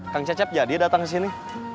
kang cecep jadi datang kesini